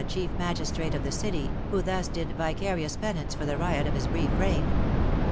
87 chief magistrate of the city, who thus did vicarious penance for the riot of his brief reign.